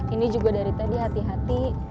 ini juga dari tadi hati hati